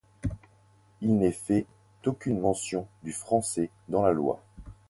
Il n'est fait aucune mention du français dans la loi.